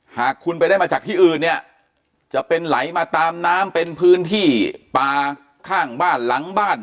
หากคุณไปได้มาจากที่อื่นเนี่ยจะเป็นไหลมาตามน้ำเป็นพื้นที่ป่าข้างบ้านหลังบ้าน